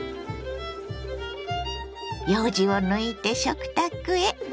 ようじを抜いて食卓へ。